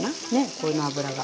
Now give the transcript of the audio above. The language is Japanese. この脂が。